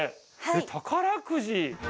宝くじ。